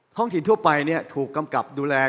ห้องถิ่นทั่วไปถูกกำกับดูแล